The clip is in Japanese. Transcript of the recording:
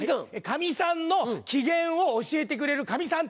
カミさんの機嫌を教えてくれるカミさん